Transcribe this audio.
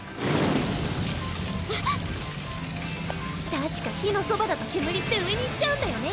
確か火のそばだと煙って上に行っちゃうんだよね。